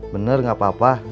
bener gak apa apa